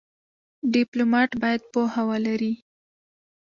ډيپلومات باید پوهه ولري.